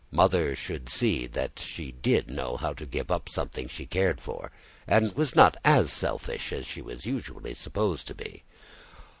Mother should see that she did know how to give up something she cared for, and was not as selfish as she was usually supposed to be.